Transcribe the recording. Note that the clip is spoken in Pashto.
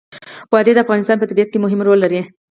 وادي د افغانستان په طبیعت کې مهم رول لري.